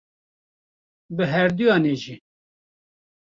Bi herduyan e jî.